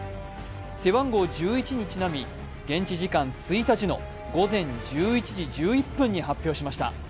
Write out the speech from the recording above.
背番号１１にちなみ、現地時間１日の午前１１時１１分に発表しました。